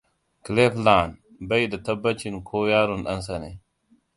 Cleveland bai da tabbacin ko yaron ɗansa ne.